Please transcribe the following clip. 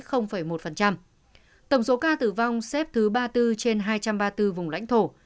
tổng số ca tử vong xếp thứ ba mươi bốn trên hai trăm ba mươi bốn vùng lãnh thổ